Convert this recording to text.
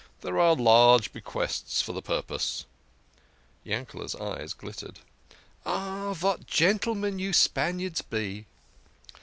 There are large bequests for the purpose." Yankee's eyes glittered. "Ah, vat gentlemen you Spaniards be